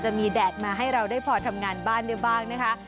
แดดมาให้เราได้พอทำงานบ้านได้บ้างนะคะ